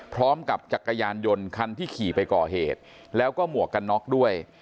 พร้อมกับจักรยานยนต์คันที่ขี่ไปก่อเหตุแล้วก็หมวกกันน็อกด้วย